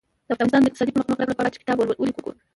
د افغانستان د اقتصادي پرمختګ لپاره پکار ده چې کتاب ولیکو.